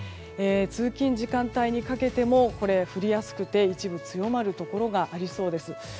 通勤時間帯にかけても降りやすくて一部強まるところがありそうです。